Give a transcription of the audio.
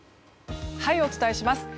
お伝えします。